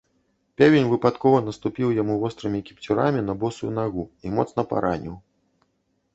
Певень выпадкова наступіў яму вострымі кіпцюрамі на босую нагу і моцна параніў.